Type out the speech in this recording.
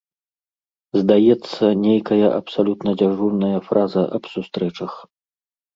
Здаецца, нейкая абсалютна дзяжурная фраза аб сустрэчах.